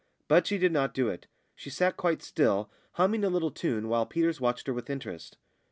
But she did not do it; she sat quite still, humming a little tune, while Peters watched her with interest.